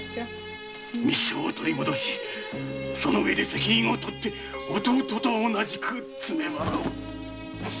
密書を取り戻しその上で責任をとって弟と同じく詰め腹を。